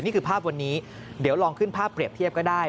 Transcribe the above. นี่คือภาพวันนี้เดี๋ยวลองขึ้นภาพเปรียบเทียบก็ได้